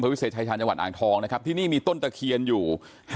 วิเศษชายชาญจังหวัดอ่างทองนะครับที่นี่มีต้นตะเคียนอยู่